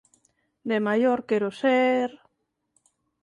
De maior quero ser...